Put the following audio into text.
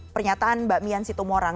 pernyataan mbak mian situmorang